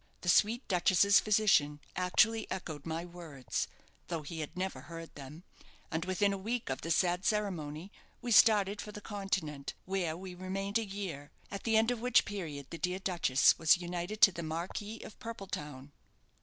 The sweet duchess's physician actually echoed my words, though he had never heard them; and within a week of the sad ceremony we started for the Continent, where we remained a year; at the end of which period the dear duchess was united to the Marquis of Purpeltown."